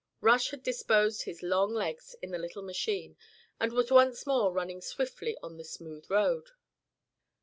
Rush had disposed his long legs in the little machine and it was once more running swiftly on the smooth road.